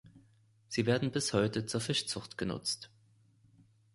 Sie werden bis heute zur Fischzucht genutzt.